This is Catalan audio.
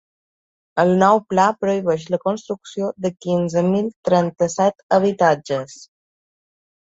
El nou pla prohibeix la construcció de quinze mil trenta-set habitatges.